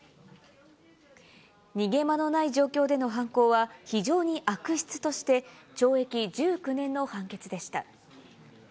逃げ場のない状況での犯行は非常に悪質として、懲役１９年の判決でした。